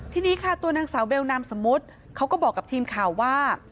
ทีนี้ค่ะตัวนางสาวเบลนามสมมุติเขาก็บอกกับทีมข่าวว่า